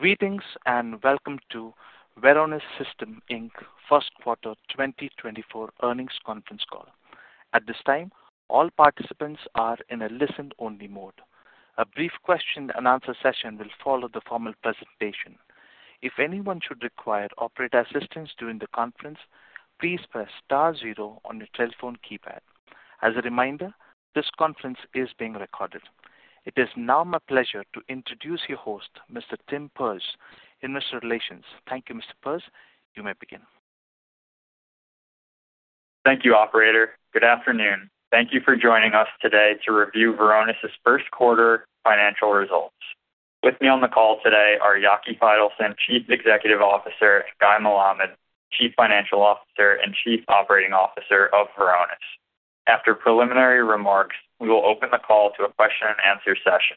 Greetings and welcome to Varonis Systems first quarter 2024 earnings conference call. At this time, all participants are in a listen-only mode. A brief question-and-answer session will follow the formal presentation. If anyone should require operator assistance during the conference, please press star zero on your telephone keypad. As a reminder, this conference is being recorded. It is now my pleasure to introduce your host, Mr. Tim Perz, Investor Relations. Thank you, Mr. Perz. You may begin. Thank you, operator. Good afternoon. Thank you for joining us today to review Varonis's first quarter financial results. With me on the call today are Yaki Faitelson, Chief Executive Officer, and Guy Melamed, Chief Financial Officer and Chief Operating Officer of Varonis. After preliminary remarks, we will open the call to a question-and-answer session.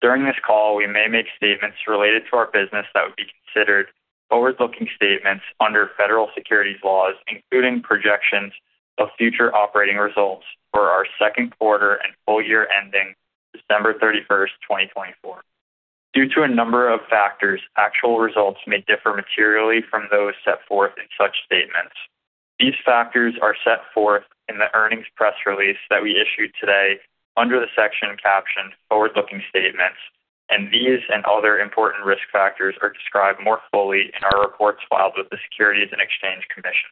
During this call, we may make statements related to our business that would be considered forward-looking statements under federal securities laws, including projections of future operating results for our second quarter and full year ending December 31st, 2024. Due to a number of factors, actual results may differ materially from those set forth in such statements. These factors are set forth in the earnings press release that we issued today under the section captioned "Forward-looking Statements," and these and other important risk factors are described more fully in our reports filed with the Securities and Exchange Commission.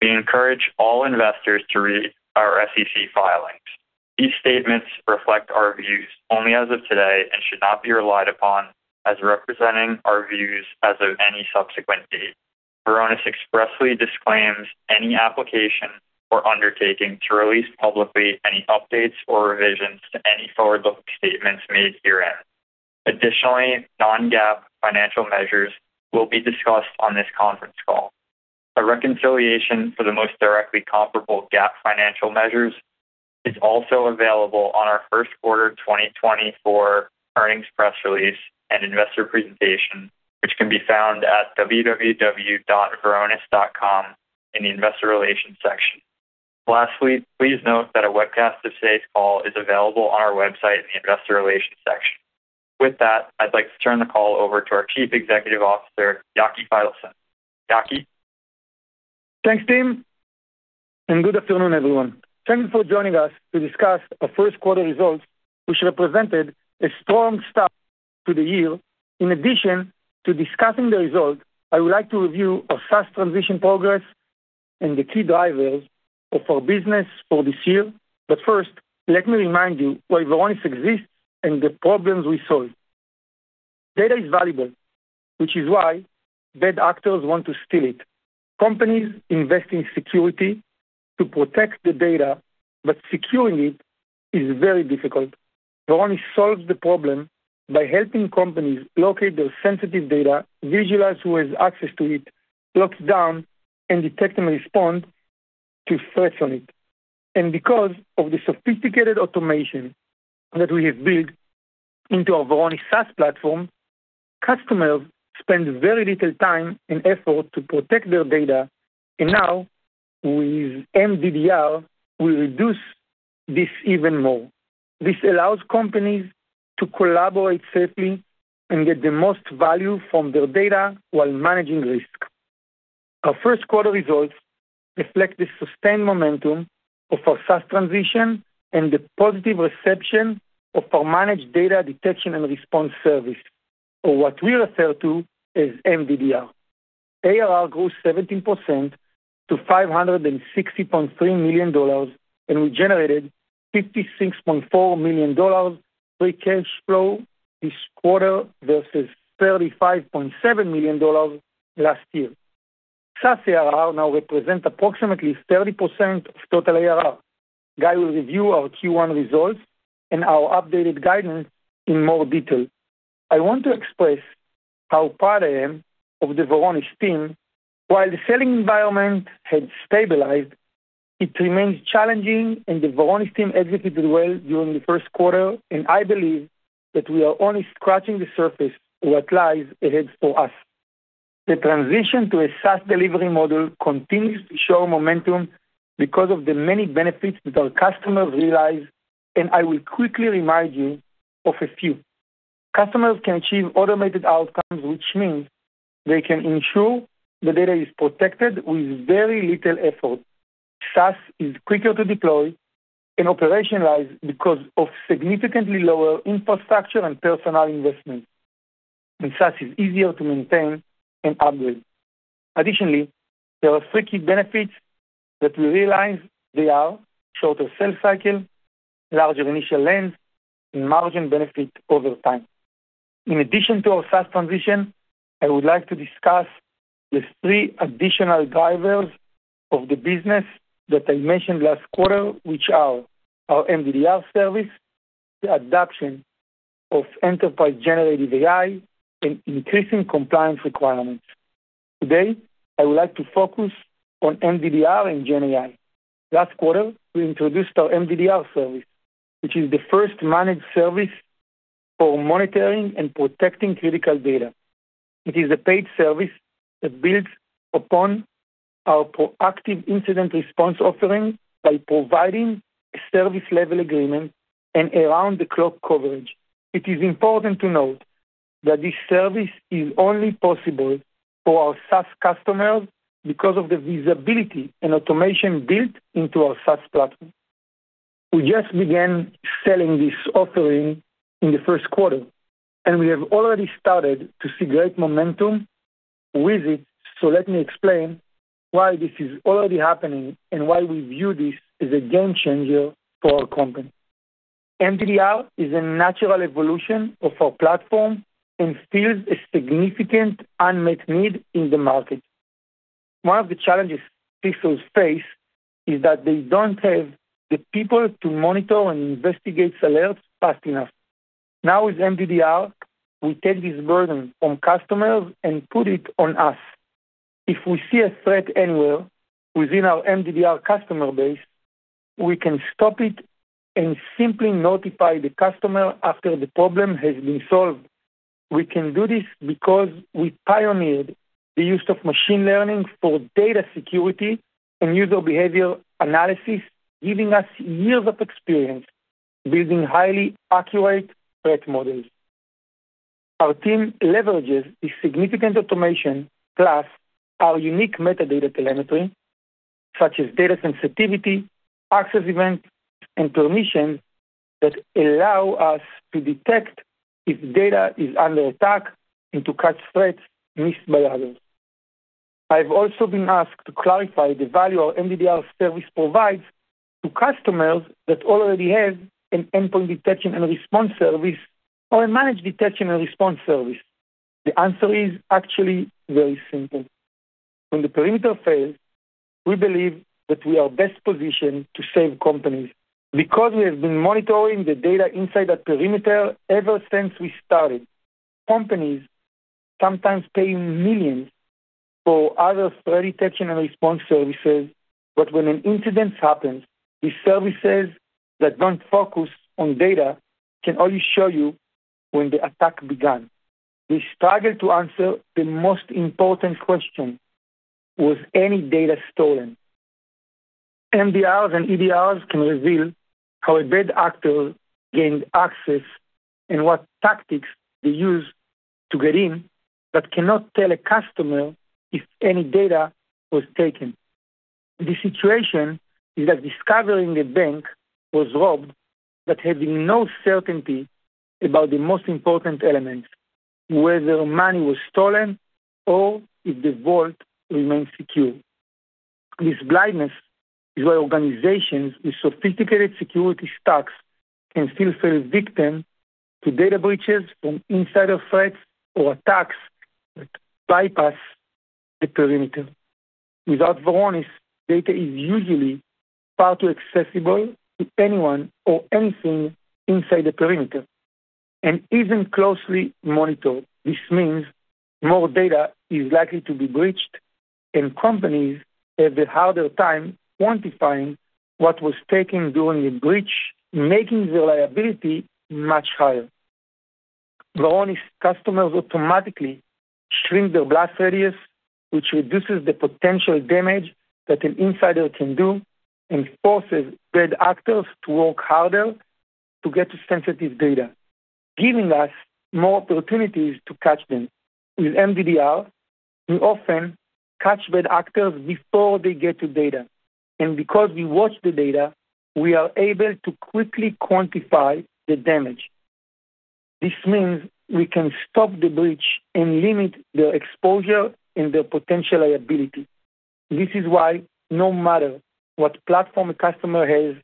We encourage all investors to read our SEC filings. These statements reflect our views only as of today and should not be relied upon as representing our views as of any subsequent date. Varonis expressly disclaims any application or undertaking to release publicly any updates or revisions to any forward-looking statements made herein. Additionally, non-GAAP financial measures will be discussed on this conference call. A reconciliation for the most directly comparable GAAP financial measures is also available on our first quarter 2024 earnings press release and investor presentation, which can be found at www.varonis.com in the Investor Relations section. Lastly, please note that a webcast of today's call is available on our website in the Investor Relations section. With that, I'd like to turn the call over to our Chief Executive Officer, Yaki Faitelson. Yaki? Thanks, Tim, and good afternoon, everyone. Thank you for joining us to discuss our first quarter results, which represented a strong start to the year. In addition to discussing the result, I would like to review our SaaS transition progress and the key drivers of our business for this year. First, let me remind you why Varonis exists and the problems we solve. Data is valuable, which is why bad actors want to steal it. Companies invest in security to protect the data, but securing it is very difficult. Varonis solves the problem by helping companies locate their sensitive data, visualize who has access to it, lock it down, and detect and respond to threats on it. Because of the sophisticated automation that we have built into our Varonis SaaS platform, customers spend very little time and effort to protect their data. And now, with MDDR, we reduce this even more. This allows companies to collaborate safely and get the most value from their data while managing risk. Our first quarter results reflect the sustained momentum of our SaaS transition and the positive reception of our Managed Data Detection and Response service, or what we refer to as MDDR. ARR grew 17% to $560.3 million, and we generated $56.4 million free cash flow this quarter versus $35.7 million last year. SaaS ARR now represents approximately 30% of total ARR. Guy will review our Q1 results and our updated guidance in more detail. I want to express how proud I am of the Varonis team. While the selling environment had stabilized, it remains challenging, and the Varonis team executed well during the first quarter, and I believe that we are only scratching the surface of what lies ahead for us. The transition to a SaaS delivery model continues to show momentum because of the many benefits that our customers realize, and I will quickly remind you of a few. Customers can achieve automated outcomes, which means they can ensure the data is protected with very little effort. SaaS is quicker to deploy and operationalize because of significantly lower infrastructure and personnel investment, and SaaS is easier to maintain and upgrade. Additionally, there are three key benefits that we realize they are: shorter sales cycle, larger initial length, and margin benefit over time. In addition to our SaaS transition, I would like to discuss the three additional drivers of the business that I mentioned last quarter, which are our MDDR service, the adoption of enterprise Generative AI, and increasing compliance requirements. Today, I would like to focus on MDDR and GenAI. Last quarter, we introduced our MDDR service, which is the first managed service for monitoring and protecting critical data. It is a paid service that builds upon our proactive incident response offering by providing a service-level agreement and around-the-clock coverage. It is important to note that this service is only possible for our SaaS customers because of the visibility and automation built into our SaaS platform. We just began selling this offering in the first quarter, and we have already started to see great momentum with it. So let me explain why this is already happening and why we view this as a game changer for our company. MDDR is a natural evolution of our platform and fills a significant unmet need in the market. One of the challenges customers face is that they don't have the people to monitor and investigate alerts fast enough. Now, with MDDR, we take this burden from customers and put it on us. If we see a threat anywhere within our MDDR customer base, we can stop it and simply notify the customer after the problem has been solved. We can do this because we pioneered the use of machine learning for data security and user behavior analysis, giving us years of experience building highly accurate threat models. Our team leverages this significant automation plus our unique metadata telemetry, such as data sensitivity, access events, and permissions that allow us to detect if data is under attack and to catch threats missed by others. I have also been asked to clarify the value our MDDR service provides to customers that already have an endpoint detection and response service or a managed detection and response service. The answer is actually very simple. When the perimeter fails, we believe that we are best positioned to save companies because we have been monitoring the data inside that perimeter ever since we started. Companies sometimes pay $millions for other threat detection and response services, but when an incident happens, these services that don't focus on data can only show you when the attack began. We struggle to answer the most important question: Was any data stolen? MDRs and EDRs can reveal how a bad actor gained access and what tactics they used to get in but cannot tell a customer if any data was taken. The situation is that discovering a bank was robbed but having no certainty about the most important elements, whether money was stolen or if the vault remained secure. This blindness is why organizations with sophisticated security stacks can still fall victim to data breaches from insider threats or attacks that bypass the perimeter. Without Varonis, data is usually far too accessible to anyone or anything inside the perimeter and isn't closely monitored. This means more data is likely to be breached, and companies have a harder time quantifying what was taken during the breach, making the liability much higher. Varonis customers automatically shrink their blast radius, which reduces the potential damage that an insider can do and forces bad actors to work harder to get to sensitive data, giving us more opportunities to catch them. With MDDR, we often catch bad actors before they get to data, and because we watch the data, we are able to quickly quantify the damage. This means we can stop the breach and limit their exposure and their potential liability. This is why, no matter what platform a customer has,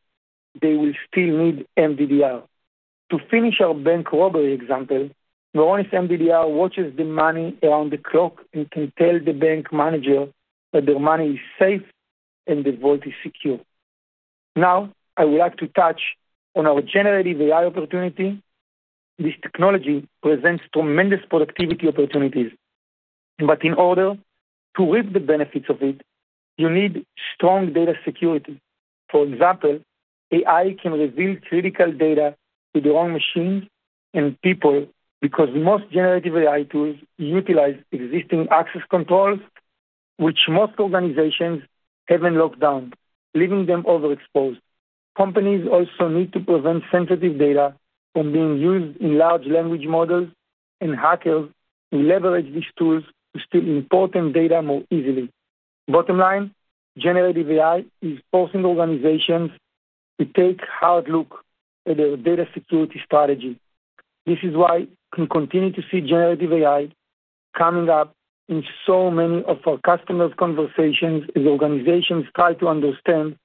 they will still need MDDR. To finish our bank robbery example, Varonis MDDR watches the money around the clock and can tell the bank manager that their money is safe and the vault is secure. Now, I would like to touch on our generative AI opportunity. This technology presents tremendous productivity opportunities, but in order to reap the benefits of it, you need strong data security. For example, AI can reveal critical data to the wrong machines and people because most generative AI tools utilize existing access controls, which most organizations haven't locked down, leaving them overexposed. Companies also need to prevent sensitive data from being used in large language models, and hackers will leverage these tools to steal important data more easily. Bottom line, generative AI is forcing organizations to take a hard look at their data security strategy. This is why we continue to see Generative AI coming up in so many of our customers' conversations as organizations try to understand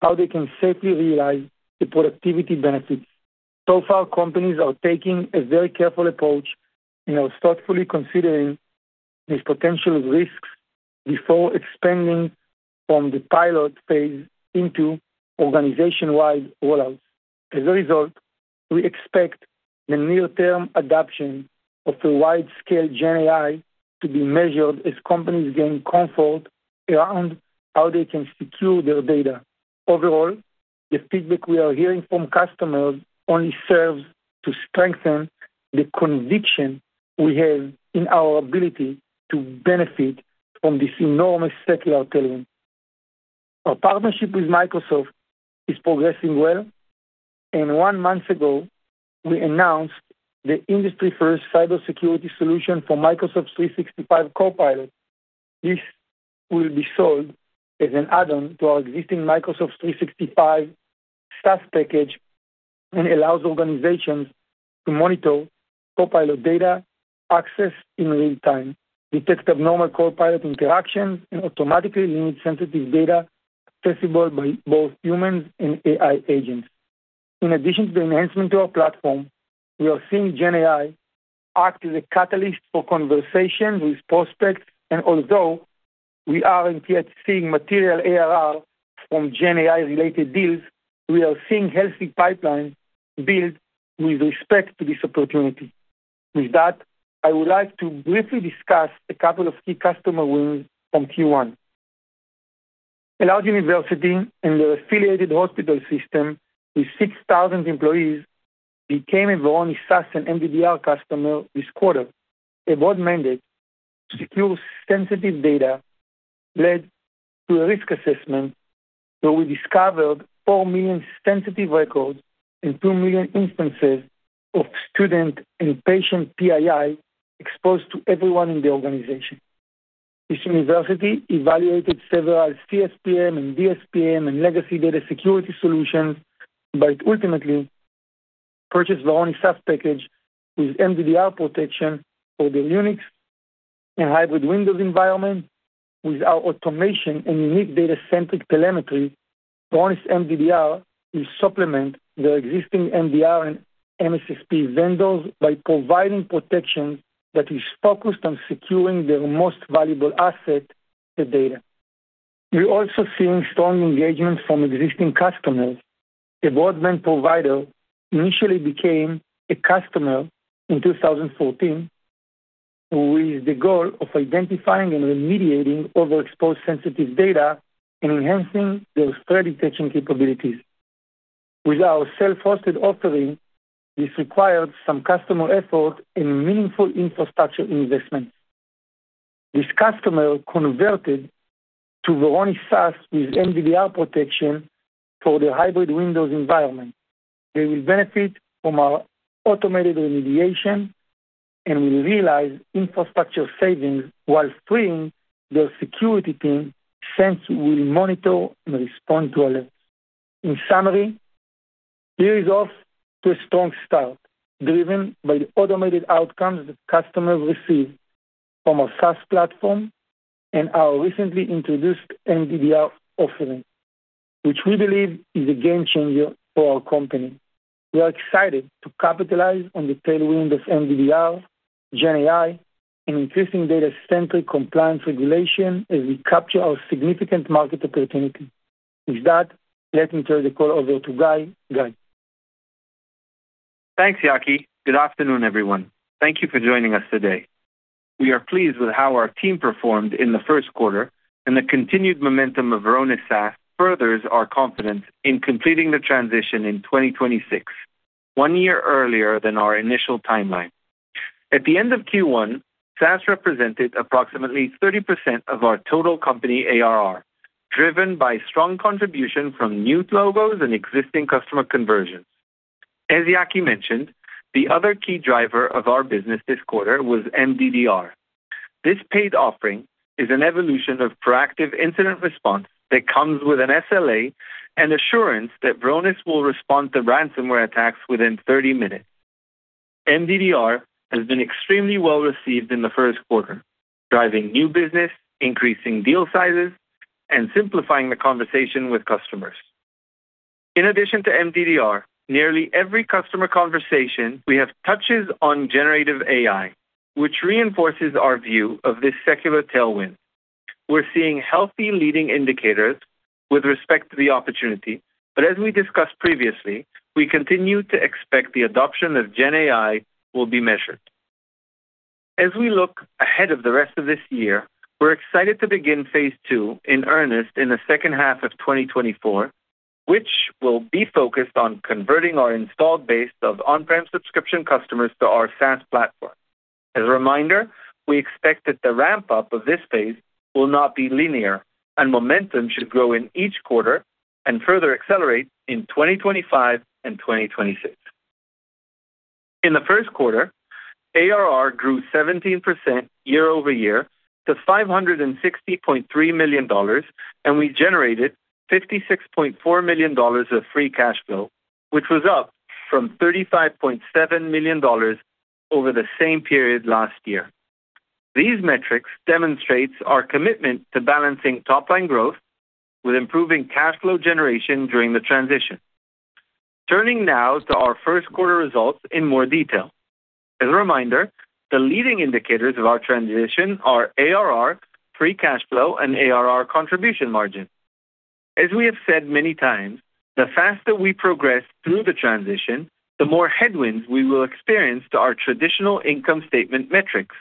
how they can safely realize the productivity benefits. So far, companies are taking a very careful approach and are thoughtfully considering these potential risks before expanding from the pilot phase into organization-wide rollouts. As a result, we expect the near-term adoption of a wide-scale GenAI to be measured as companies gain comfort around how they can secure their data. Overall, the feedback we are hearing from customers only serves to strengthen the conviction we have in our ability to benefit from this enormous secular tailwind. Our partnership with Microsoft is progressing well, and one month ago, we announced the industry-first cybersecurity solution for Microsoft 365 Copilot. This will be sold as an add-on to our existing Microsoft 365 SaaS package and allows organizations to monitor Copilot data access in real time, detect abnormal Copilot interactions, and automatically limit sensitive data accessible by both humans and AI agents. In addition to the enhancement to our platform, we are seeing GenAI act as a catalyst for conversations with prospects. And although we are not yet seeing material ARR from GenAI-related deals, we are seeing healthy pipelines built with respect to this opportunity. With that, I would like to briefly discuss a couple of key customer wins from Q1. A large university and their affiliated hospital system with 6,000 employees became a Varonis SaaS and MDDR customer this quarter. A broad mandate to secure sensitive data led to a risk assessment where we discovered 4 million sensitive records and 2 million instances of student and patient PII exposed to everyone in the organization. This university evaluated several CSPM and DSPM and legacy data security solutions, but ultimately purchased Varonis SaaS package with MDDR protection for their Unix and hybrid Windows environment. With our automation and unique data-centric telemetry, Varonis MDDR will supplement their existing MDR and MSSP vendors by providing protections that are focused on securing their most valuable asset, the data. We are also seeing strong engagement from existing customers. A broadband provider initially became a customer in 2014 with the goal of identifying and remediating overexposed sensitive data and enhancing their threat detection capabilities. With our self-hosted offering, this required some customer effort and meaningful infrastructure investments. This customer converted to Varonis SaaS with MDDR protection for their hybrid Windows environment. They will benefit from our automated remediation and will realize infrastructure savings while freeing their security team since we will monitor and respond to alerts. In summary, we're off to a strong start driven by the automated outcomes that customers receive from our SaaS platform and our recently introduced MDDR offering, which we believe is a game changer for our company. We are excited to capitalize on the tailwind of MDDR, GenAI, and increasing data-centric compliance regulation as we capture our significant market opportunity. With that, let me turn the call over to Guy. Guy. Thanks, Yaki. Good afternoon, everyone. Thank you for joining us today. We are pleased with how our team performed in the first quarter and the continued momentum of Varonis SaaS furthers our confidence in completing the transition in 2026, one year earlier than our initial timeline. At the end of Q1, SaaS represented approximately 30% of our total company ARR, driven by strong contribution from new logos and existing customer conversions. As Yaki mentioned, the other key driver of our business this quarter was MDDR. This paid offering is an evolution of proactive incident response that comes with an SLA and assurance that Varonis will respond to ransomware attacks within 30 minutes. MDDR has been extremely well received in the first quarter, driving new business, increasing deal sizes, and simplifying the conversation with customers. In addition to MDDR, nearly every customer conversation we have touches on generative AI, which reinforces our view of this secular tailwind. We're seeing healthy leading indicators with respect to the opportunity, but as we discussed previously, we continue to expect the adoption of GenAI will be measured. As we look ahead of the rest of this year, we're excited to begin phase two in earnest in the second half of 2024, which will be focused on converting our installed base of on-prem subscription customers to our SaaS platform. As a reminder, we expect that the ramp-up of this phase will not be linear, and momentum should grow in each quarter and further accelerate in 2025 and 2026. In the first quarter, ARR grew 17% year-over-year to $560.3 million, and we generated $56.4 million of free cash flow, which was up from $35.7 million over the same period last year. These metrics demonstrate our commitment to balancing top-line growth with improving cash flow generation during the transition. Turning now to our first quarter results in more detail. As a reminder, the leading indicators of our transition are ARR, free cash flow, and ARR contribution margin. As we have said many times, the faster we progress through the transition, the more headwinds we will experience to our traditional income statement metrics,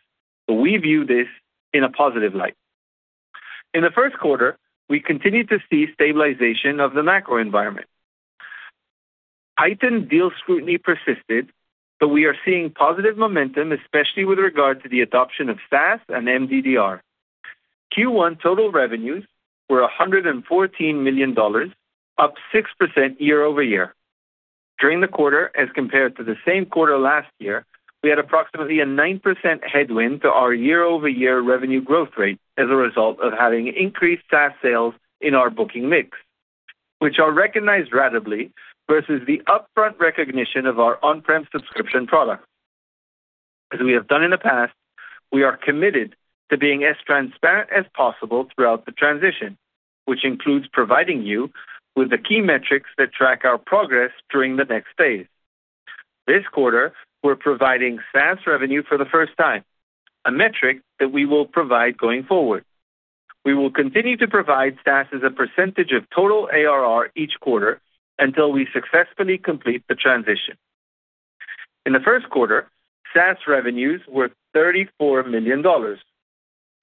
but we view this in a positive light. In the first quarter, we continue to see stabilization of the macro environment. Heightened deal scrutiny persisted, but we are seeing positive momentum, especially with regard to the adoption of SaaS and MDDR. Q1 total revenues were $114 million, up 6% year-over-year. During the quarter, as compared to the same quarter last year, we had approximately a 9% headwind to our year-over-year revenue growth rate as a result of having increased SaaS sales in our booking mix, which are recognized ratably versus the upfront recognition of our on-prem subscription products. As we have done in the past, we are committed to being as transparent as possible throughout the transition, which includes providing you with the key metrics that track our progress during the next phase. This quarter, we're providing SaaS revenue for the first time, a metric that we will provide going forward. We will continue to provide SaaS as a percentage of total ARR each quarter until we successfully complete the transition. In the first quarter, SaaS revenues were $34 million.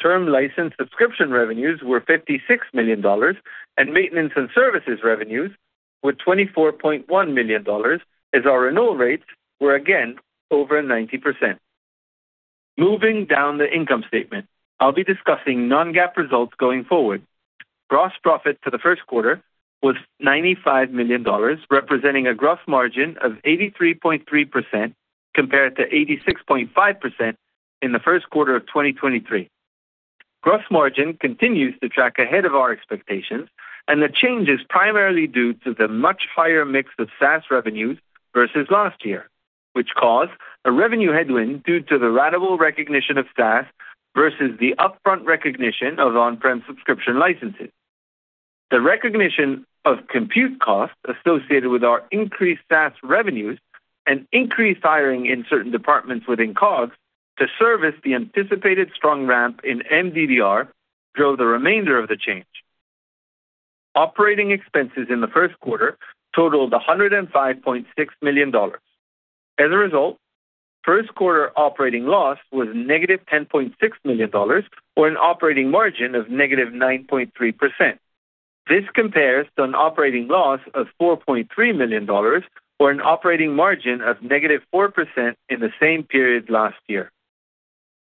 Term license subscription revenues were $56 million, and maintenance and services revenues were $24.1 million, as our renewal rates were again over 90%. Moving down the income statement, I'll be discussing non-GAAP results going forward. Gross profit for the first quarter was $95 million, representing a gross margin of 83.3% compared to 86.5% in the first quarter of 2023. Gross margin continues to track ahead of our expectations, and the change is primarily due to the much higher mix of SaaS revenues versus last year, which caused a revenue headwind due to the ratable recognition of SaaS versus the upfront recognition of on-prem subscription licenses. The recognition of compute costs associated with our increased SaaS revenues and increased hiring in certain departments within COGS to service the anticipated strong ramp in MDDR drove the remainder of the change. Operating expenses in the first quarter totaled $105.6 million. As a result, first quarter operating loss was -$10.6 million or an operating margin of -9.3%. This compares to an operating loss of $4.3 million or an operating margin of -4% in the same period last year.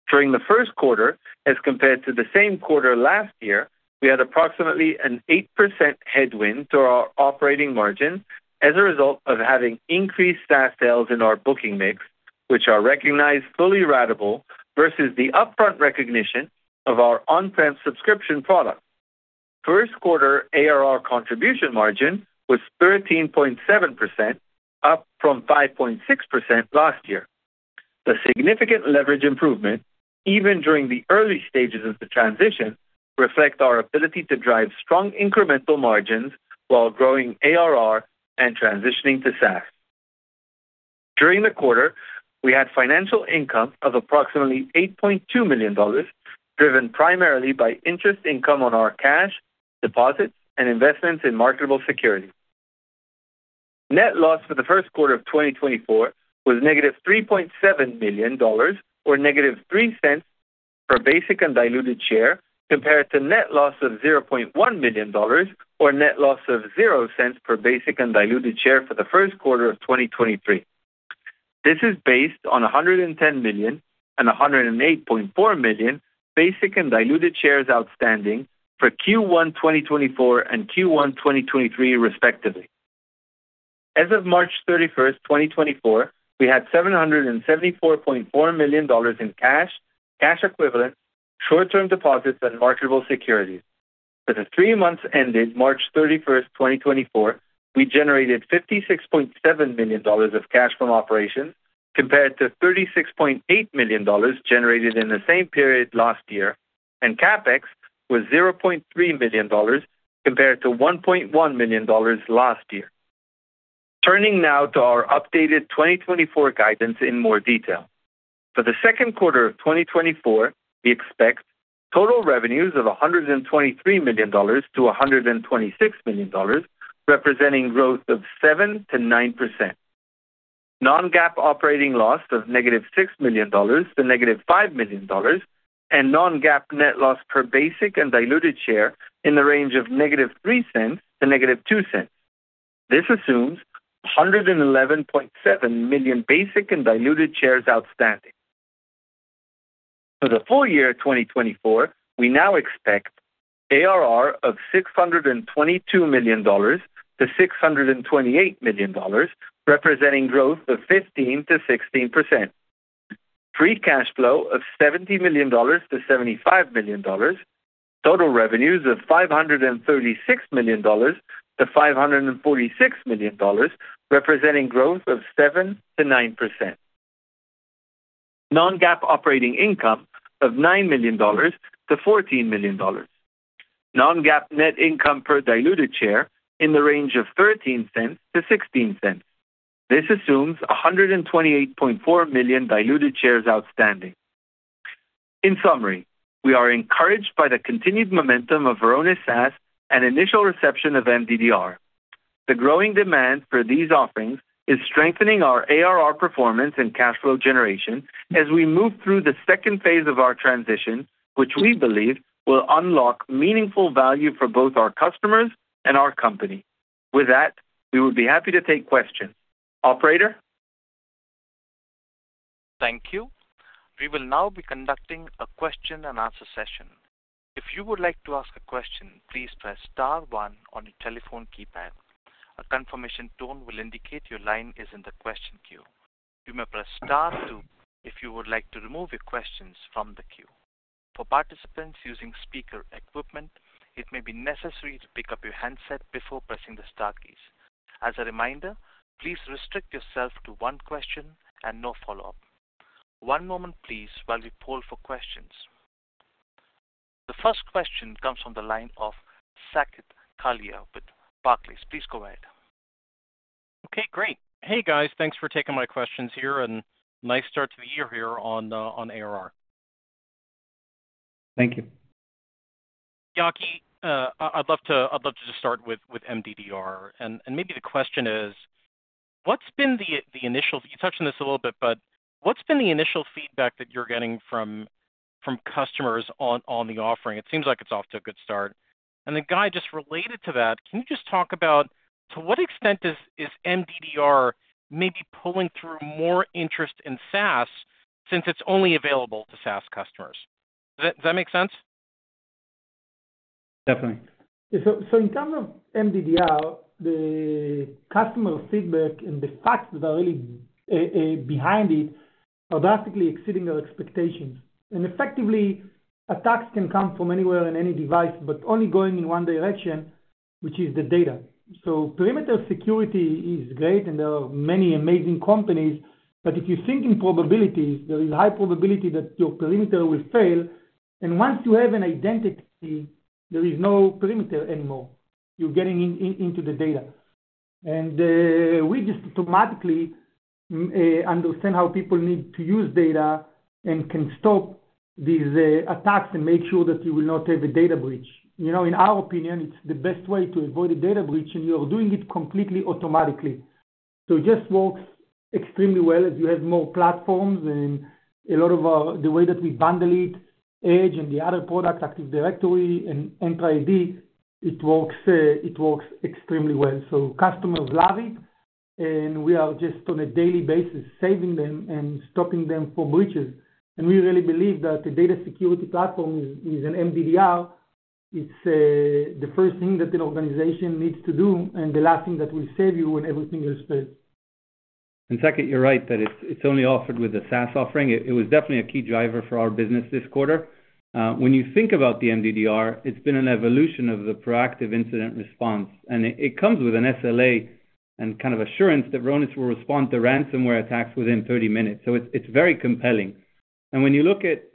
During the first quarter, as compared to the same quarter last year, we had approximately an 8% headwind to our operating margin as a result of having increased SaaS sales in our booking mix, which are recognized fully ratably versus the upfront recognition of our on-prem subscription products. First quarter ARR contribution margin was 13.7%, up from 5.6% last year. The significant leverage improvement, even during the early stages of the transition, reflects our ability to drive strong incremental margins while growing ARR and transitioning to SaaS. During the quarter, we had financial income of approximately $8.2 million driven primarily by interest income on our cash, deposits, and investments in marketable securities. Net loss for the first quarter of 2024 was -$3.7 million or -$0.0003 per basic and diluted share compared to net loss of $0.1 million or net loss of -0 cents per basic and diluted share for the first quarter of 2023. This is based on 110 million and 108.4 million basic and diluted shares outstanding for Q1 2024 and Q1 2023, respectively. As of March 31st, 2024, we had $774.4 million in cash, cash equivalent, short-term deposits, and marketable securities. For the three months ended March 31st, 2024, we generated $56.7 million of cash from operations compared to $36.8 million generated in the same period last year, and CapEx was $0.3 million compared to $1.1 million last year. Turning now to our updated 2024 guidance in more detail. For the second quarter of 2024, we expect total revenues of $123 million-$126 million, representing growth of 7%-9%. Non-GAAP operating loss of -$6 million to -$5 million and non-GAAP net loss per basic and diluted share in the range of -0.03 cents to -0.02 cents. This assumes 111.7 million basic and diluted shares outstanding. For the full year 2024, we now expect ARR of $622 million-$628 million, representing growth of 15%-16%. Free cash flow of $70 million-$75 million. Total revenues of $536 million-$546 million, representing growth of 7%-9%. Non-GAAP operating income of $9 million-$14 million. Non-GAAP net income per diluted share in the range of 0.13 cents to 0.16 cents. This assumes 128.4 million diluted shares outstanding. In summary, we are encouraged by the continued momentum of Varonis SaaS and initial reception of MDDR. The growing demand for these offerings is strengthening our ARR performance and cash flow generation as we move through the second phase of our transition, which we believe will unlock meaningful value for both our customers and our company. With that, we would be happy to take questions. Operator? Thank you. We will now be conducting a question-and-answer session. If you would like to ask a question, please press star one on your telephone keypad. A confirmation tone will indicate your line is in the question queue. You may press star two if you would like to remove your questions from the queue. For participants using speaker equipment, it may be necessary to pick up your handset before pressing the star keys. As a reminder, please restrict yourself to one question and no follow-up. One moment, please, while we poll for questions. The first question comes from the line of Saket Kalia with Barclays. Please go ahead. Okay, great. Hey guys, thanks for taking my questions here, and nice start to the year here on ARR. Thank you. Yaki, I'd love to just start with MDDR. Maybe the question is, what's been the initial, you touched on this a little bit, but what's been the initial feedback that you're getting from customers on the offering? It seems like it's off to a good start. Then Guy, just related to that, can you just talk about to what extent is MDDR maybe pulling through more interest in SaaS since it's only available to SaaS customers? Does that make sense? Definitely. So in terms of MDDR, the customer feedback and the facts that are really behind it are drastically exceeding our expectations. And effectively, attacks can come from anywhere and any device, but only going in one direction, which is the data. So perimeter security is great and there are many amazing companies, but if you think in probabilities, there is high probability that your perimeter will fail. And once you have an identity, there is no perimeter anymore. You're getting into the data. And we just automatically understand how people need to use data and can stop these attacks and make sure that you will not have a data breach. In our opinion, it's the best way to avoid a data breach and you are doing it completely automatically. So it just works extremely well as you have more platforms and a lot of the way that we bundle it, Edge and the other product, Active Directory and Entra ID, it works extremely well. So customers love it and we are just on a daily basis saving them and stopping them from breaches. And we really believe that a data security platform is an MDDR. It's the first thing that an organization needs to do and the last thing that will save you when everything else fails. And Saket, you're right that it's only offered with a SaaS offering. It was definitely a key driver for our business this quarter. When you think about the MDDR, it's been an evolution of the proactive incident response. And it comes with an SLA and kind of assurance that Varonis will respond to ransomware attacks within 30 minutes. So it's very compelling. When you look at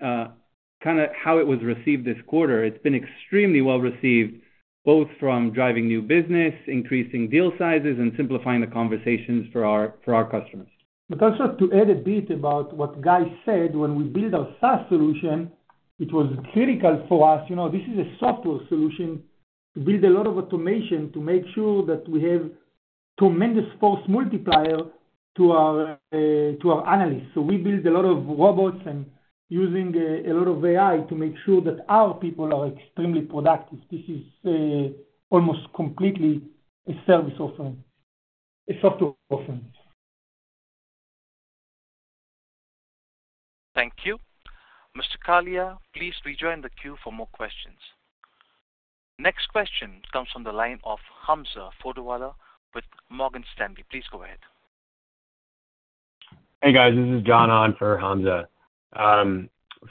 kind of how it was received this quarter, it's been extremely well received both from driving new business, increasing deal sizes, and simplifying the conversations for our customers. But also to add a bit about what Guy said, when we build our SaaS solution, it was critical for us. This is a software solution to build a lot of automation to make sure that we have tremendous force multiplier to our analysts. So we build a lot of robots and using a lot of AI to make sure that our people are extremely productive. This is almost completely a service offering, a software offering. Thank you. Mr. Kalia, please rejoin the queue for more questions. Next question comes from the line of Hamza Fodderwala with Morgan Stanley. Please go ahead. Hey guys, this is John on for Hamza.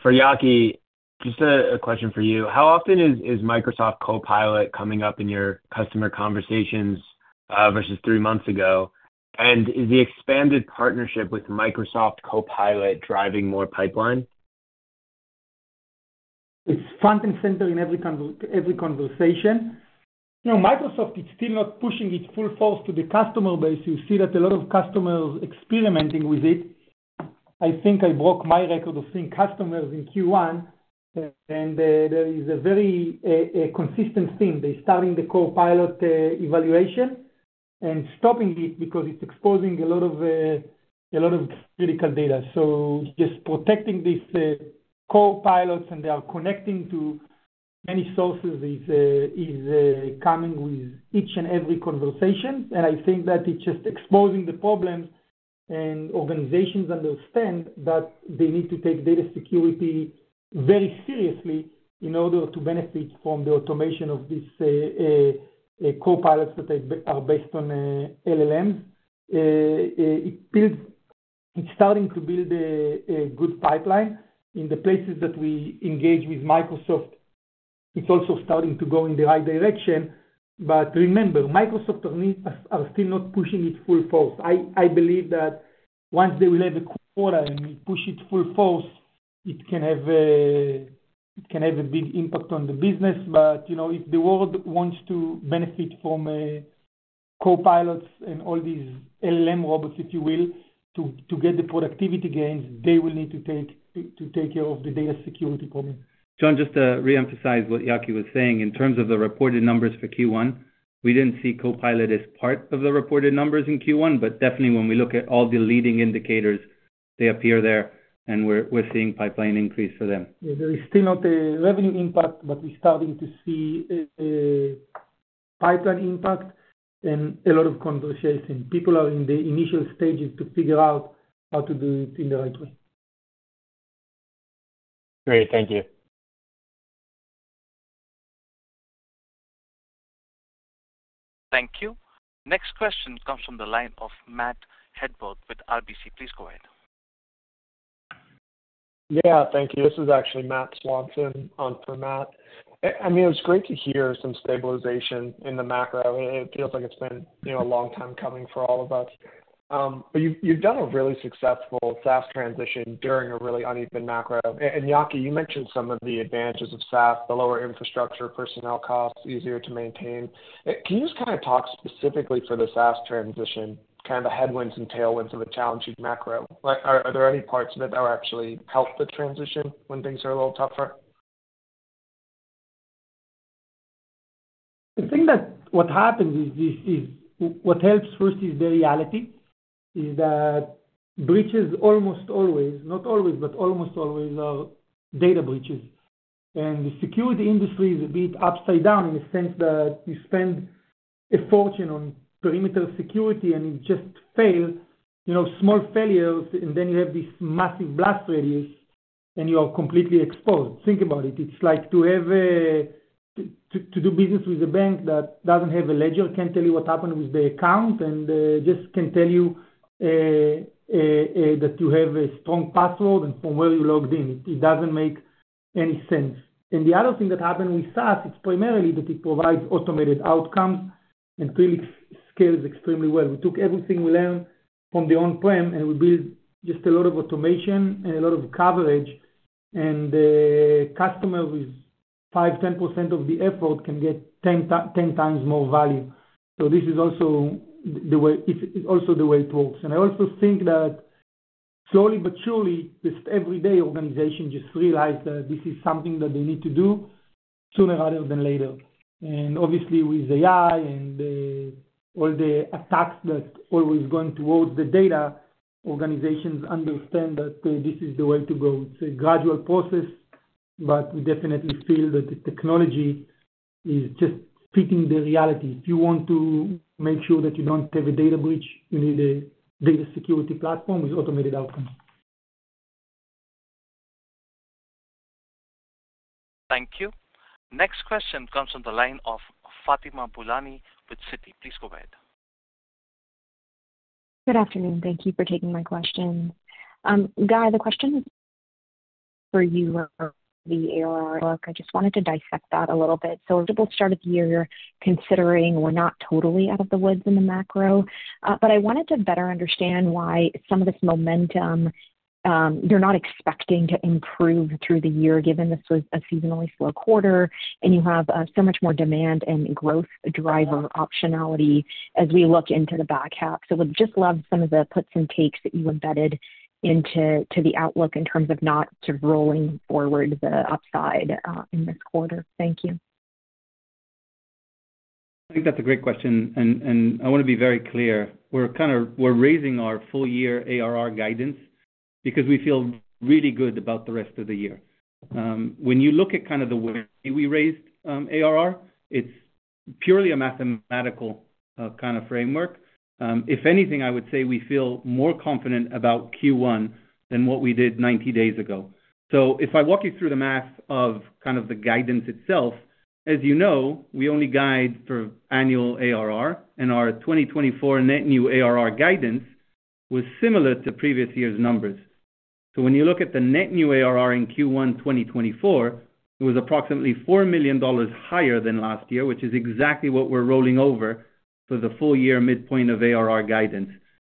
For Yaki, just a question for you. How often is Microsoft Copilot coming up in your customer conversations versus three months ago? And is the expanded partnership with Microsoft Copilot driving more pipeline? It's front and center in every conversation. Microsoft, it's still not pushing its full force to the customer base. You see that a lot of customers experimenting with it. I think I broke my record of seeing customers in Q1, and there is a very consistent theme. They're starting the Copilot evaluation and stopping it because it's exposing a lot of critical data. So just protecting these Copilots and they are connecting to many sources is coming with each and every conversation. And I think that it's just exposing the problems, and organizations understand that they need to take data security very seriously in order to benefit from the automation of these Copilots that are based on LLMs. It's starting to build a good pipeline. In the places that we engage with Microsoft, it's also starting to go in the right direction. Remember, Microsoft are still not pushing it full force. I believe that once they will have a quota and we push it full force, it can have a big impact on the business. If the world wants to benefit from Copilots and all these LLM robots, if you will, to get the productivity gains, they will need to take care of the data security problem. John, just to reemphasize what Yaki was saying, in terms of the reported numbers for Q1, we didn't see Copilot as part of the reported numbers in Q1, but definitely when we look at all the leading indicators, they appear there and we're seeing pipeline increase for them. Yeah, there is still not a revenue impact, but we're starting to see pipeline impact and a lot of conversation. People are in the initial stages to figure out how to do it in the right way. Great. Thank you. Thank you. Next question comes from the line of Matt Hedberg with RBC. Please go ahead. Yeah, thank you. This is actually Matt Swanson on for Matt. I mean, it was great to hear some stabilization in the macro. It feels like it's been a long time coming for all of us. But you've done a really successful SaaS transition during a really uneven macro. And Yaki, you mentioned some of the advantages of SaaS, the lower infrastructure, personnel costs, easier to maintain. Can you just kind of talk specifically for the SaaS transition, kind of the headwinds and tailwinds of a challenging macro? Are there any parts of it that actually help the transition when things are a little tougher? I think that what happens is what helps first is the reality. Is that breaches almost always, not always, but almost always are data breaches. And the security industry is a bit upside down in the sense that you spend a fortune on perimeter security and you just fail, small failures, and then you have this massive blast radius and you are completely exposed. Think about it. It's like to do business with a bank that doesn't have a ledger, can't tell you what happened with the account, and just can tell you that you have a strong password and from where you logged in. It doesn't make any sense. And the other thing that happened with SaaS, it's primarily that it provides automated outcomes and really scales extremely well. We took everything we learned from the on-prem and we built just a lot of automation and a lot of coverage. Customers with 5%-10% of the effort can get 10 times more value. This is also the way it works. I also think that slowly but surely, just every day, organizations just realize that this is something that they need to do sooner rather than later. Obviously, with AI and all the attacks that are always going towards the data, organizations understand that this is the way to go. It's a gradual process, but we definitely feel that the technology is just fitting the reality. If you want to make sure that you don't have a data breach, you need a data security platform with automated outcomes. Thank you. Next question comes from the line of Fatima Boolani with Citi. Please go ahead. Good afternoon. Thank you for taking my question. Guy, the question is for you on the ARR. I just wanted to dissect that a little bit. So we'll start at the year considering we're not totally out of the woods in the macro. But I wanted to better understand why some of this momentum you're not expecting to improve through the year given this was a seasonally slow quarter and you have so much more demand and growth driver optionality as we look into the back half. So we'd just love some of the puts and takes that you embedded into the outlook in terms of not sort of rolling forward the upside in this quarter. Thank you. I think that's a great question. I want to be very clear. We're raising our full-year ARR guidance because we feel really good about the rest of the year. When you look at kind of the way we raised ARR, it's purely a mathematical kind of framework. If anything, I would say we feel more confident about Q1 than what we did 90 days ago. So if I walk you through the math of kind of the guidance itself, as you know, we only guide for annual ARR and our 2024 net new ARR guidance was similar to previous year's numbers. So when you look at the net new ARR in Q1 2024, it was approximately $4 million higher than last year, which is exactly what we're rolling over for the full-year midpoint of ARR guidance.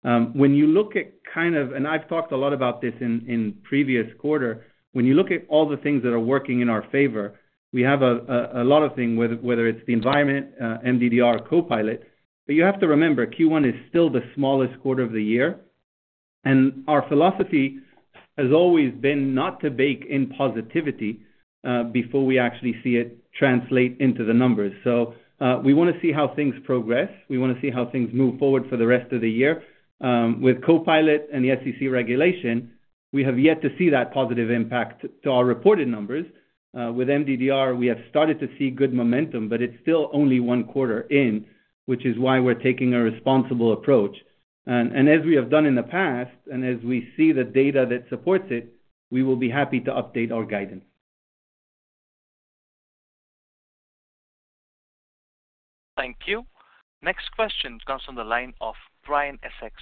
When you look at kind of, and I've talked a lot about this in previous quarter. When you look at all the things that are working in our favor, we have a lot of things, whether it's the environment, MDDR, Copilot. But you have to remember, Q1 is still the smallest quarter of the year. And our philosophy has always been not to bake in positivity before we actually see it translate into the numbers. So we want to see how things progress. We want to see how things move forward for the rest of the year. With Copilot and the SEC regulation, we have yet to see that positive impact to our reported numbers. With MDDR, we have started to see good momentum, but it's still only one quarter in, which is why we're taking a responsible approach. As we have done in the past and as we see the data that supports it, we will be happy to update our guidance. Thank you. Next question comes from the line of Brian Essex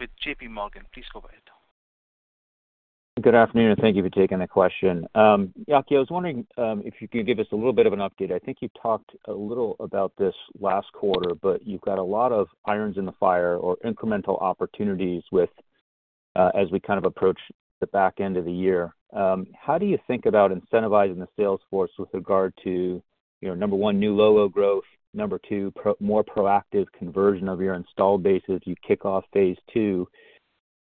with JPMorgan. Please go ahead. Good afternoon and thank you for taking the question. Yaki, I was wondering if you could give us a little bit of an update. I think you talked a little about this last quarter, but you've got a lot of irons in the fire or incremental opportunities as we kind of approach the back end of the year. How do you think about incentivizing the sales force with regard to, number one, new logo growth, number two, more proactive conversion of your installed bases if you kick off phase two,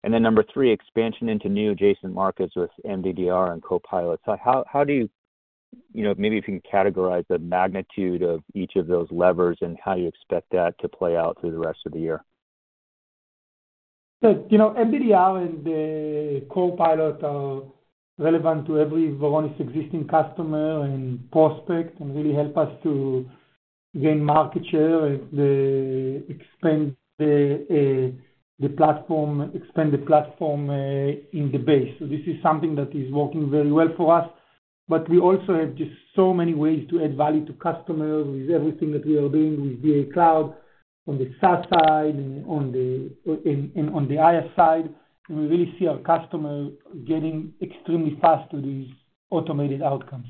and then number three, expansion into new adjacent markets with MDDR and Copilot? So how do you maybe if you can categorize the magnitude of each of those levers and how you expect that to play out through the rest of the year? Yeah. MDDR and Copilot are relevant to every Varonis existing customer and prospect and really help us to gain market share and expand the platform in the base. So this is something that is working very well for us. But we also have just so many ways to add value to customers with everything that we are doing with DA Cloud on the SaaS side and on the IaaS side. And we really see our customer getting extremely fast to these automated outcomes.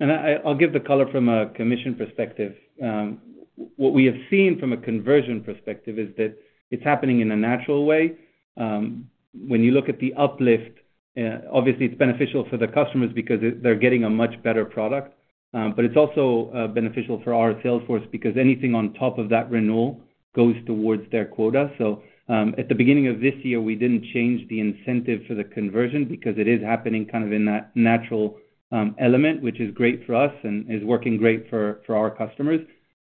And I'll give the color from a commission perspective. What we have seen from a conversion perspective is that it's happening in a natural way. When you look at the uplift, obviously, it's beneficial for the customers because they're getting a much better product. But it's also beneficial for our sales force because anything on top of that renewal goes towards their quota. So at the beginning of this year, we didn't change the incentive for the conversion because it is happening kind of in that natural element, which is great for us and is working great for our customers.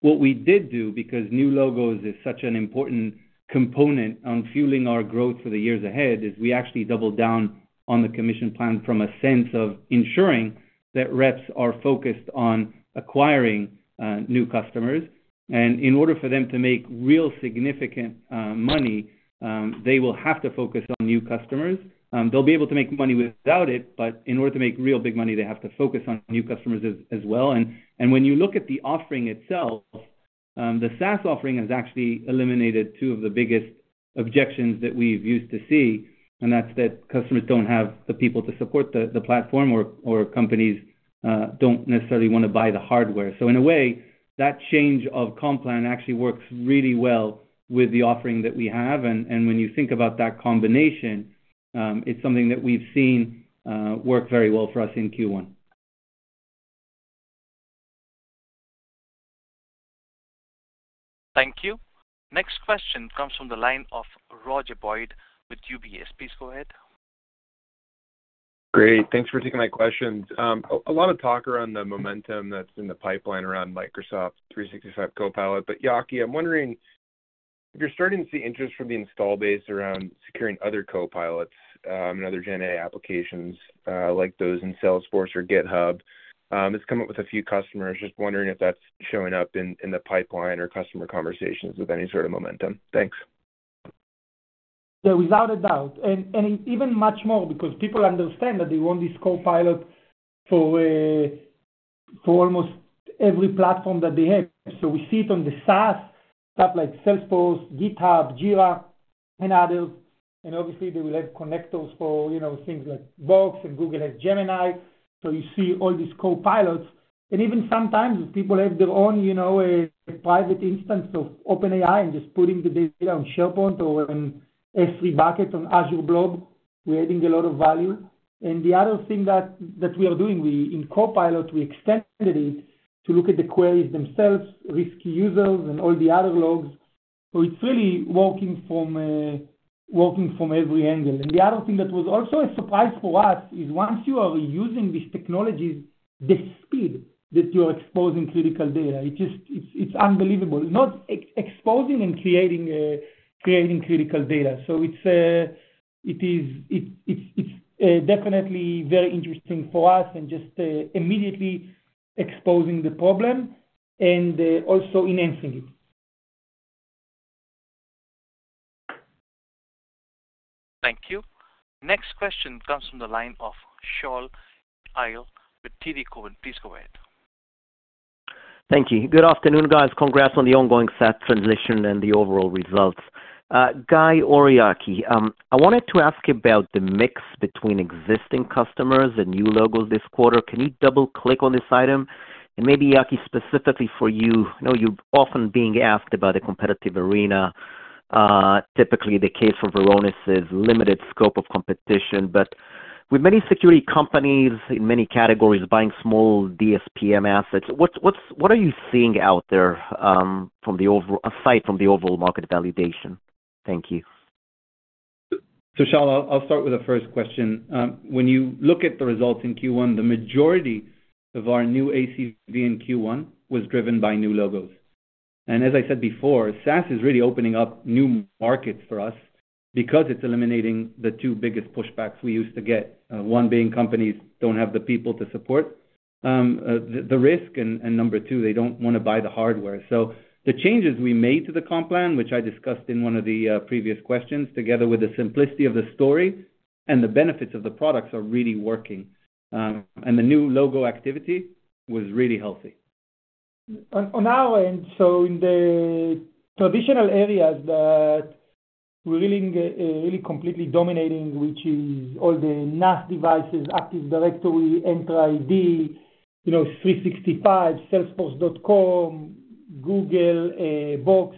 What we did do because new logos is such an important component on fueling our growth for the years ahead is we actually doubled down on the commission plan from a sense of ensuring that reps are focused on acquiring new customers. In order for them to make real significant money, they will have to focus on new customers. They'll be able to make money without it, but in order to make real big money, they have to focus on new customers as well. When you look at the offering itself, the SaaS offering has actually eliminated two of the biggest objections that we've used to see. That's that customers don't have the people to support the platform or companies don't necessarily want to buy the hardware. In a way, that change of comp plan actually works really well with the offering that we have. When you think about that combination, it's something that we've seen work very well for us in Q1. Thank you. Next question comes from the line of Roger Boyd with UBS. Please go ahead. Great. Thanks for taking my questions. A lot of talk around the momentum that's in the pipeline around Microsoft 365 Copilot. But Yaki, I'm wondering if you're starting to see interest from the install base around securing other Copilots and other GenAI applications like those in Salesforce or GitHub. It's come up with a few customers. Just wondering if that's showing up in the pipeline or customer conversations with any sort of momentum. Thanks. Yeah, without a doubt. And even much more because people understand that they want this Copilot for almost every platform that they have. So we see it on the SaaS stuff like Salesforce, GitHub, Jira, and others. And obviously, they will have connectors for things like Box and Google has Gemini. So you see all these Copilots. And even sometimes people have their own private instance of OpenAI and just putting the data on SharePoint or an S3 bucket or Azure Blob. We're adding a lot of value. And the other thing that we are doing, in Copilot, we extended it to look at the queries themselves, risky users, and all the other logs. So it's really working from every angle. And the other thing that was also a surprise for us is once you are using these technologies, the speed that you are exposing critical data. It's unbelievable. Not exposing and creating critical data. So it is definitely very interesting for us and just immediately exposing the problem and also enhancing it. Thank you. Next question comes from the line of Shaul Eyal with TD Cowen. Please go ahead. Thank you. Good afternoon, guys. Congrats on the ongoing SaaS transition and the overall results. Guy or Yaki, I wanted to ask about the mix between existing customers and new logos this quarter. Can you double-click on this item? And maybe, Yaki, specifically for you, you're often being asked about the competitive arena. Typically, the case for Varonis is limited scope of competition. But with many security companies in many categories buying small DSPM assets, what are you seeing out there aside from the overall market validation? Thank you. So Shaul, I'll start with the first question. When you look at the results in Q1, the majority of our new ACV in Q1 was driven by new logos. And as I said before, SaaS is really opening up new markets for us because it's eliminating the two biggest pushbacks we used to get. One being companies don't have the people to support the risk and number two, they don't want to buy the hardware. So the changes we made to the comp plan, which I discussed in one of the previous questions, together with the simplicity of the story and the benefits of the products, are really working. And the new logo activity was really healthy. On our end, so in the traditional areas that we're really completely dominating, which is all the NAS devices, Active Directory, Entra ID, 365, Salesforce.com, Google, Box,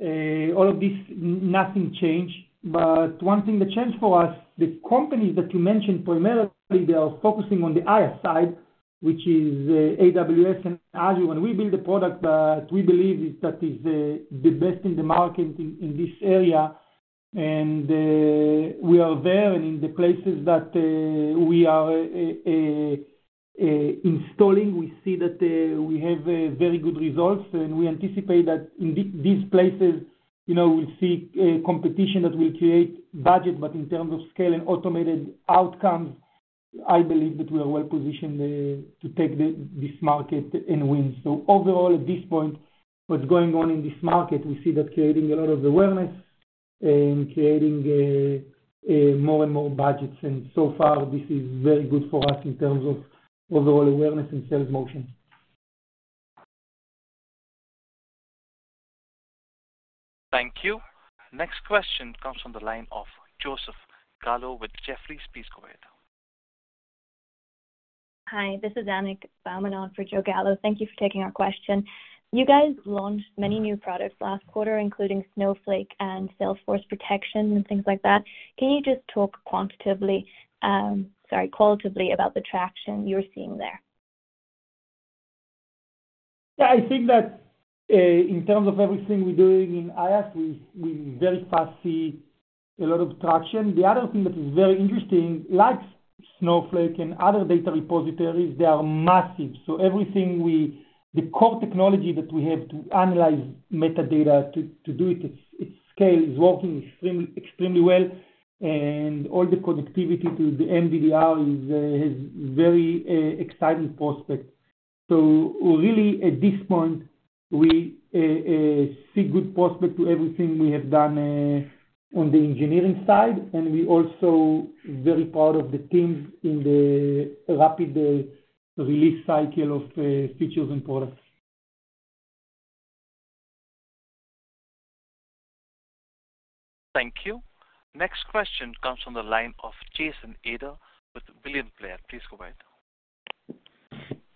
all of this, nothing changed. But one thing that changed for us, the companies that you mentioned, primarily, they are focusing on the IaaS side, which is AWS and Azure. And we build a product that we believe is that is the best in the market in this area. And we are there and in the places that we are installing, we see that we have very good results. And we anticipate that in these places, we'll see competition that will create budget, but in terms of scale and automated outcomes, I believe that we are well positioned to take this market and win. So overall, at this point, what's going on in this market, we see that creating a lot of awareness and creating more and more budgets. So far, this is very good for us in terms of overall awareness and sales motion. Thank you. Next question comes from the line of Joseph Gallo with Jefferies. Please go ahead. Hi. This is Annik Baumann for Joe Gallo. Thank you for taking our question. You guys launched many new products last quarter, including Snowflake and Salesforce Protection and things like that. Can you just talk quantitatively sorry, qualitatively about the traction you're seeing there? Yeah. I think that in terms of everything we're doing in IaaS, we very fast see a lot of traction. The other thing that is very interesting, like Snowflake and other data repositories, they are massive. So everything, the core technology that we have to analyze metadata to do it, its scale is working extremely well. And all the connectivity to the MDDR has very exciting prospects. So really, at this point, we see good prospects to everything we have done on the engineering side. And we're also very proud of the teams in the rapid release cycle of features and products. Thank you. Next question comes from the line of Jason Ader with William Blair. Please go ahead.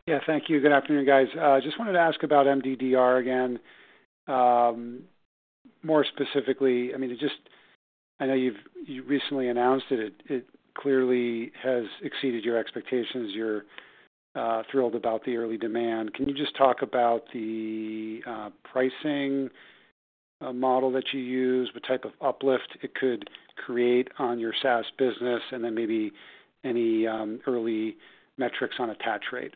Yeah. Thank you. Good afternoon, guys. I just wanted to ask about MDDR again. More specifically, I mean, I know you've recently announced it. It clearly has exceeded your expectations. You're thrilled about the early demand. Can you just talk about the pricing model that you use, what type of uplift it could create on your SaaS business, and then maybe any early metrics on attach rate?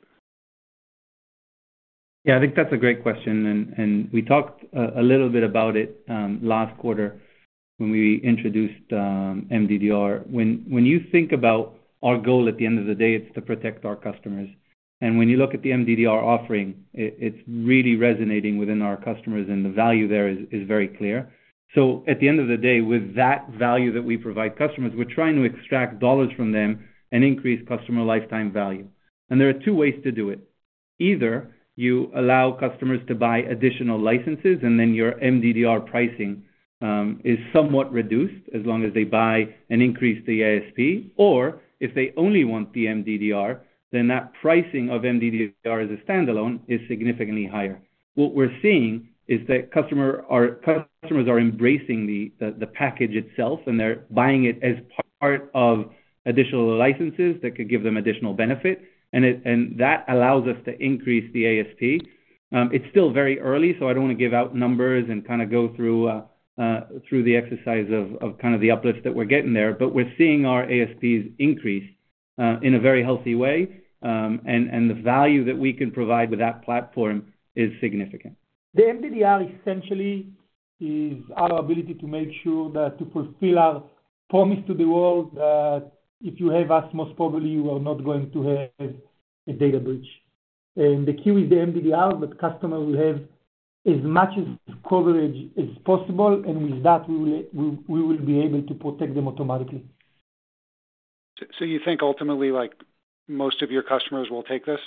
Yeah. I think that's a great question. We talked a little bit about it last quarter when we introduced MDDR. When you think about our goal at the end of the day, it's to protect our customers. When you look at the MDDR offering, it's really resonating within our customers, and the value there is very clear. So at the end of the day, with that value that we provide customers, we're trying to extract dollars from them and increase customer lifetime value. And there are two ways to do it. Either you allow customers to buy additional licenses, and then your MDDR pricing is somewhat reduced as long as they buy and increase the ASP. Or if they only want the MDDR, then that pricing of MDDR as a standalone is significantly higher. What we're seeing is that customers are embracing the package itself, and they're buying it as part of additional licenses that could give them additional benefit. And that allows us to increase the ASP. It's still very early, so I don't want to give out numbers and kind of go through the exercise of kind of the uplift that we're getting there. But we're seeing our ASPs increase in a very healthy way. The value that we can provide with that platform is significant. The MDDR essentially is our ability to make sure that to fulfill our promise to the world that if you have us, most probably you are not going to have a data breach. And the key is the MDDR, but customers will have as much coverage as possible. And with that, we will be able to protect them automatically. You think ultimately most of your customers will take this?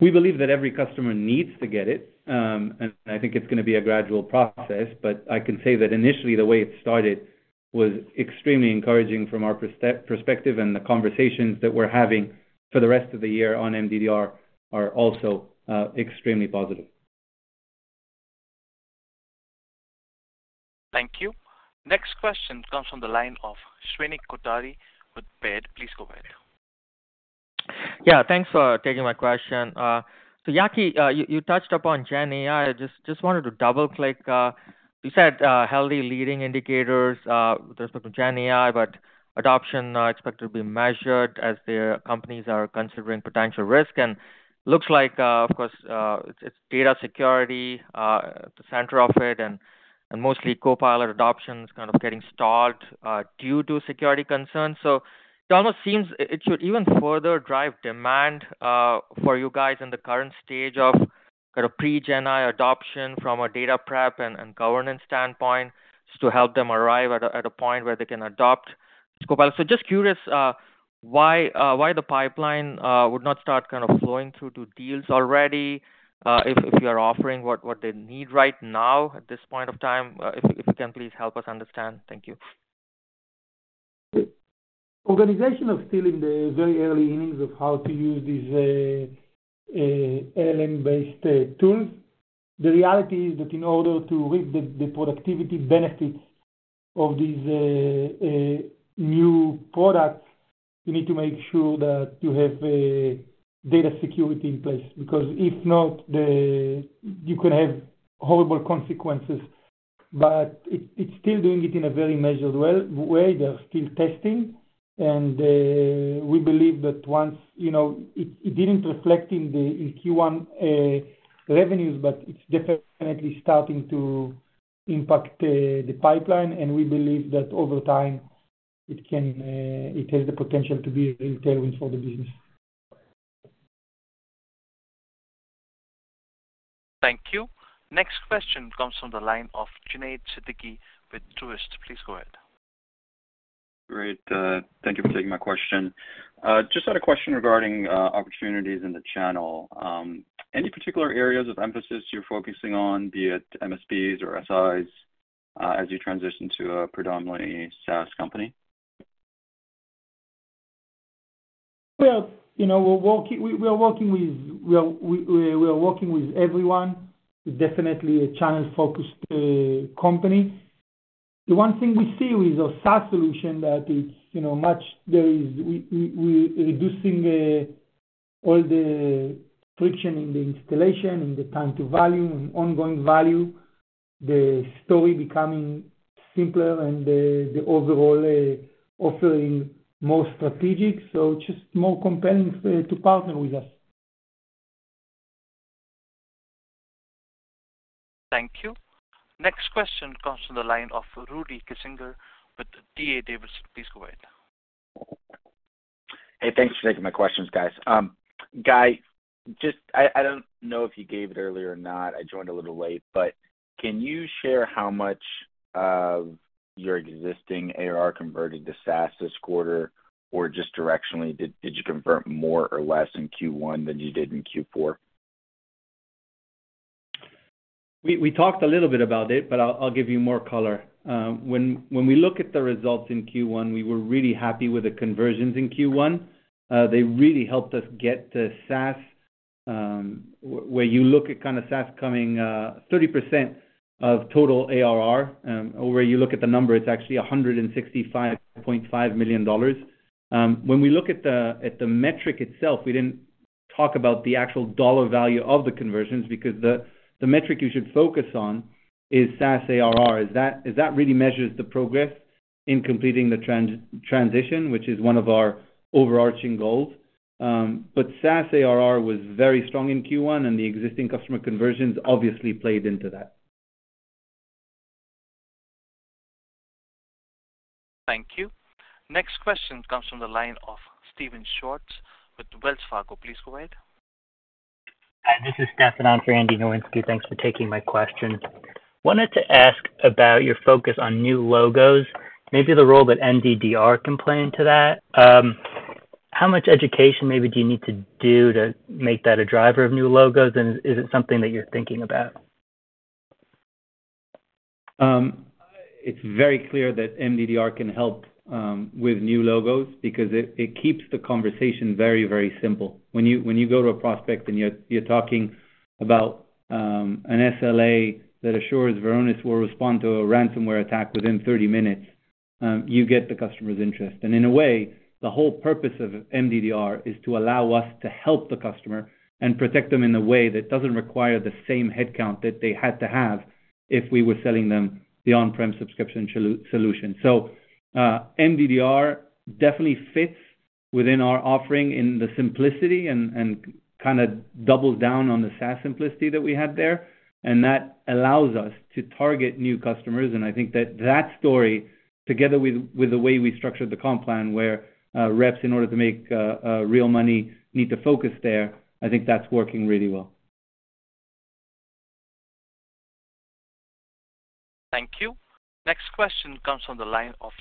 We believe that every customer needs to get it. I think it's going to be a gradual process. I can say that initially, the way it started was extremely encouraging from our perspective. The conversations that we're having for the rest of the year on MDDR are also extremely positive. Thank you. Next question comes from the line of Shrenik Kothari with Baird. Please go ahead. Yeah. Thanks for taking my question. So Yaki, you touched upon GenAI. I just wanted to double-click. You said healthy leading indicators with respect to GenAI, but adoption expected to be measured as the companies are considering potential risk. And looks like, of course, it's data security at the center of it. And mostly, Copilot adoption is kind of getting stalled due to security concerns. So it almost seems it should even further drive demand for you guys in the current stage of kind of pre-GenAI adoption from a data prep and governance standpoint to help them arrive at a point where they can adopt Copilot. So just curious why the pipeline would not start kind of flowing through to deals already if you are offering what they need right now at this point of time. If you can, please help us understand. Thank you. Organizations are still in the very early innings of how to use these LLM-based tools. The reality is that in order to reap the productivity benefits of these new products, you need to make sure that you have data security in place. Because if not, you can have horrible consequences. But it's still doing it in a very measured way. They are still testing. We believe that once it didn't reflect in Q1 revenues, but it's definitely starting to impact the pipeline. We believe that over time, it has the potential to be a real tailwind for the business. Thank you. Next question comes from the line of Junaid Siddiqui with Truist. Please go ahead. Great. Thank you for taking my question. Just had a question regarding opportunities in the channel. Any particular areas of emphasis you're focusing on, be it MSPs or SIs, as you transition to a predominantly SaaS company? Well, we are working with everyone. It's definitely a channel-focused company. The one thing we see with our SaaS solution is that we're reducing all the friction in the installation, in the time to value, and ongoing value. The story becoming simpler and the overall offering more strategic. So just more compelling to partner with us. Thank you. Next question comes from the line of Rudy Kessinger with D.A. Davidson. Please go ahead. Hey. Thanks for taking my questions, guys. Guy, I don't know if you gave it earlier or not. I joined a little late. But can you share how much of your existing ARR converted to SaaS this quarter? Or just directionally, did you convert more or less in Q1 than you did in Q4? We talked a little bit about it, but I'll give you more color. When we look at the results in Q1, we were really happy with the conversions in Q1. They really helped us get the SaaS where you look at kind of SaaS coming 30% of total ARR. Or where you look at the number, it's actually $165.5 million. When we look at the metric itself, we didn't talk about the actual dollar value of the conversions. Because the metric you should focus on is SaaS ARR, as that really measures the progress in completing the transition, which is one of our overarching goals. But SaaS ARR was very strong in Q1, and the existing customer conversions obviously played into that. Thank you. Next question comes from the line of Steven Schwartz with Wells Fargo. Please go ahead. Hi. This is Andrew Nowinski. Thanks for taking my question. Wanted to ask about your focus on new logos, maybe the role that MDDR can play into that. How much education, maybe, do you need to do to make that a driver of new logos? And is it something that you're thinking about? It's very clear that MDDR can help with new logos because it keeps the conversation very, very simple. When you go to a prospect and you're talking about an SLA that assures Varonis will respond to a ransomware attack within 30 minutes, you get the customer's interest. And in a way, the whole purpose of MDDR is to allow us to help the customer and protect them in a way that doesn't require the same headcount that they had to have if we were selling them the on-prem subscription solution. So MDDR definitely fits within our offering in the simplicity and kind of doubles down on the SaaS simplicity that we had there. And that allows us to target new customers. I think that that story, together with the way we structured the comp plan where reps, in order to make real money, need to focus there, I think that's working really well. Thank you. Next question comes from the line of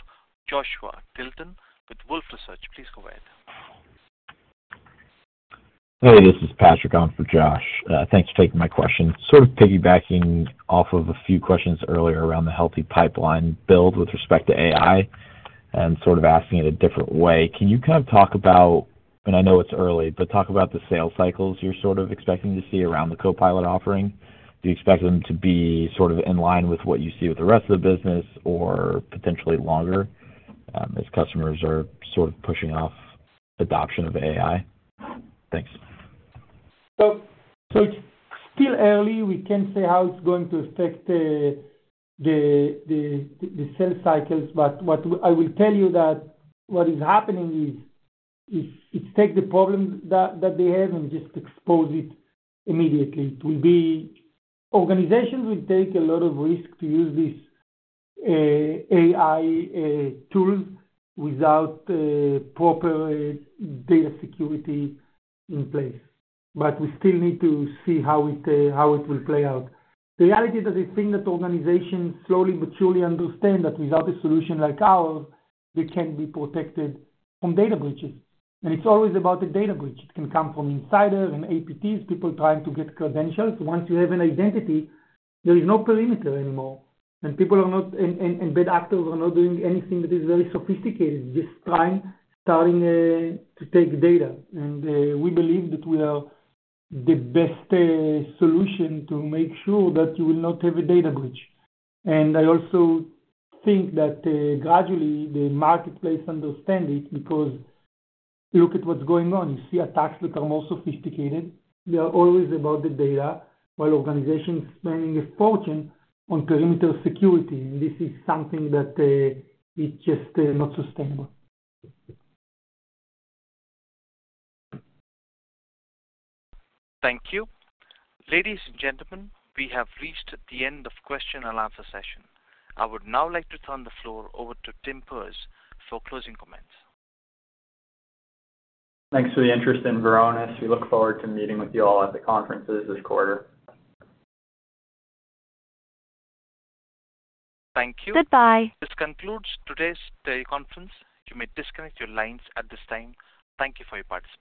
Joshua Tilton with Wolfe Research. Please go ahead. Hey. This is Patrick Colville for Josh. Thanks for taking my question. Sort of piggybacking off of a few questions earlier around the healthy pipeline build with respect to AI and sort of asking it a different way, can you kind of talk about and I know it's early, but talk about the sales cycles you're sort of expecting to see around the Copilot offering? Do you expect them to be sort of in line with what you see with the rest of the business or potentially longer as customers are sort of pushing off adoption of AI? Thanks. It's still early. We can't say how it's going to affect the sales cycles. I will tell you that what is happening is it takes the problem that they have and just exposes it immediately. Organizations will take a lot of risk to use these AI tools without proper data security in place. We still need to see how it will play out. The reality is that I think that organizations slowly but surely understand that without a solution like ours, they can't be protected from data breaches. It's always about the data breach. It can come from insiders and APTs, people trying to get credentials. Once you have an identity, there is no perimeter anymore. Bad actors are not doing anything that is very sophisticated, just starting to take data. We believe that we are the best solution to make sure that you will not have a data breach. I also think that gradually, the marketplace understands it. Because look at what's going on. You see attacks that are more sophisticated. They are always about the data, while organizations spending a fortune on perimeter security. This is something that it's just not sustainable. Thank you. Ladies and gentlemen, we have reached the end of question-and-answer session. I would now like to turn the floor over to Tim Perz for closing comments. Thanks for the interest in Varonis. We look forward to meeting with you all at the conferences this quarter. Thank you. Goodbye. This concludes today's teleconference. You may disconnect your lines at this time. Thank you for your participation.